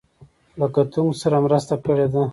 له کتونکو سره مرسته کړې ده.